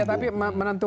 ya tapi menentukan